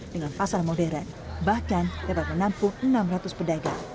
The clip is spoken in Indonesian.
dengan pasar modern bahkan dapat menampung enam ratus pedagang